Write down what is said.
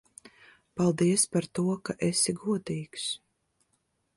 Paldies par to, ka esi godīgs.